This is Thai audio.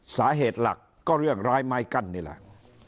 สาเหตุหลักก็เรื่องร้ายไม้กั้นนี่แหละ